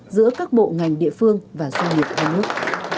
giữa các bộ ngành địa phương và doanh nghiệp hai nước